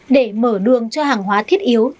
để mở đường cho hàng hóa thiết yếu